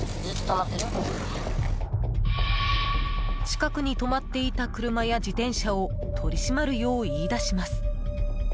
近くに止まっていた車や自転車を取り締まるよう言い出します。